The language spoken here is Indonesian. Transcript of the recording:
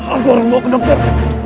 aku harus bawa ke dokter